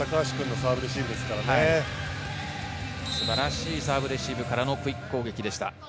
サーブレシーブからのクイック攻撃でした。